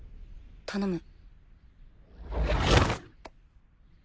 頼む。